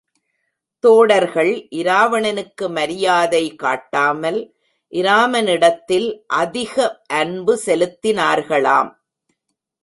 தோடர்கள் இராவணனுக்கு மரியாதை காட்டாமல், இராமனிடத்தில் அதிக அன்பு செலுத்தினார்களாம்.